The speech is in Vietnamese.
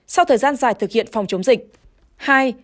sau thời gian dài thực hiện phòng chống dịch